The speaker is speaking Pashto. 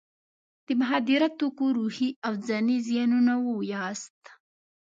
د مخدره توکو روحي او ځاني زیانونه ووایاست.